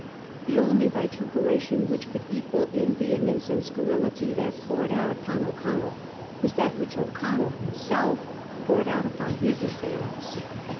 The only vituperation which could equal in vehemence and scurrility that poured out upon O'Connell was that which O'Connell himself poured out upon his assailants.